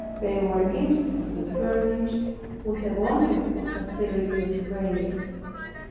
They were instantly furnished with a wonderful facility of prayer.